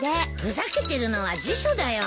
ふざけてるのは辞書だよ。